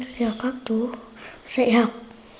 giờ các chú dạy học